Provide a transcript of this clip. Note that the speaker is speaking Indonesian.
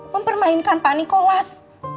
mempermainkan pak nikolas